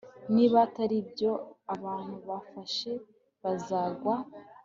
niba atari byo, abantu bafashe bazagwa